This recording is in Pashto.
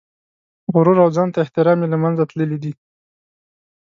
غرور او ځان ته احترام یې له منځه تللي دي.